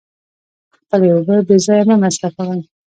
خپلې اوبه بې ځایه مه مصرفوئ.